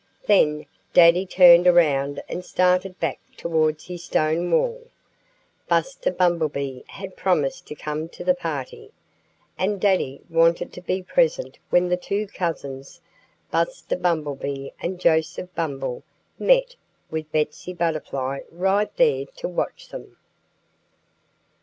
Then Daddy turned around and started back towards his stone wall. Buster Bumblebee had promised to come to the party. And Daddy wanted to be present when the two cousins, Buster Bumblebee and Joseph Bumble, met with Betsy Butterfly right there to watch them.